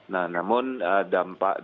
nah namun dampaknya